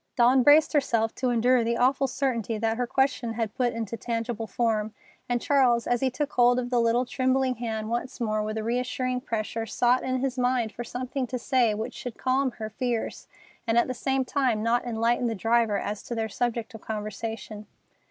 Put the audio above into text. Dawn braced herself to endure the awful uncertainty that her question had put into tangible form, and Charles, as he took hold of the little, trembling hand once more with a reassuring pressure, sought in his mind for something to say which should calm her fears and at the same time not enlighten the driver as to their subject of conversation.